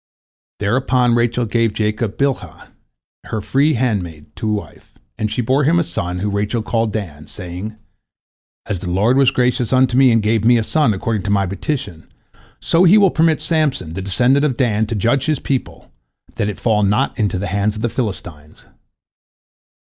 " Thereupon Rachel gave Jacob Bilhah, her freed handmaid, to wife, and she bore him a son, whom Rachel called Dan, saying, "As the Lord was gracious unto me and gave me a son according to my petition, so He will permit Samson, the descendant of Dan, to judge his people, that it fall not into the hands of the Philistines."